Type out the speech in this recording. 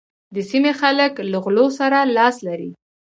د سيمې خلک له غلو سره لاس لري.